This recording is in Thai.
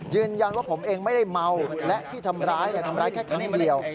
ยืนยันว่าผมเองไม่ได้เมาและที่ทำร้ายทำร้ายแค่ครั้งเดียว